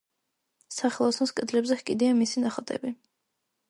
სახელოსნოს კედლებზე ჰკიდია მისი ნახატები.